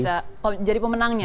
bisa jadi pemenangnya ya